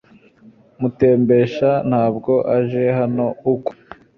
Mutembesa ntabwo aje hano uko biri